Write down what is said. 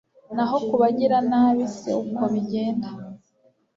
naho ku bagiranabi si uko bigenda